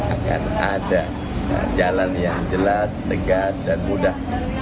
akan ada jalan yang jelas tegas dan mudah